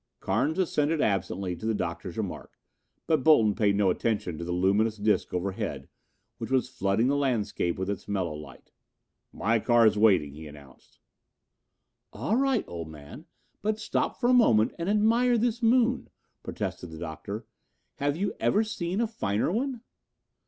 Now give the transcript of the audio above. Carnes assented absently to the Doctor's remark, but Bolton paid no attention to the luminous disc overhead, which was flooding the landscape with its mellow light. "My car is waiting," he announced. "All right, old man, but stop for a moment and admire this moon," protested the Doctor. "Have you ever seen a finer one?"